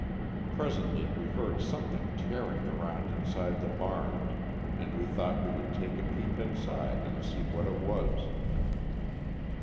Presently, we heard something tearing around inside the barn, and we thought we would take a peep inside and see what it was.